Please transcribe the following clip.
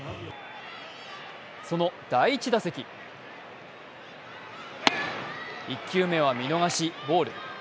その第１打席１球目は見逃し、ボール。